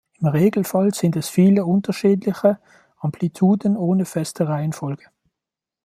Im Regelfall sind es viele unterschiedliche Amplituden ohne feste Reihenfolge.